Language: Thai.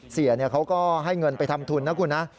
เสียเขาก็ให้เงินไปทำทุนนะคุณนะ